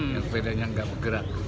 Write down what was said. sepedanya nggak bergerak